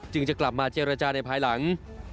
จะกลับมาเจรจาในภายหลัง